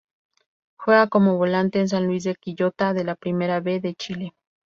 Juega como volante en San Luis de Quillota de la Primera B de Chile.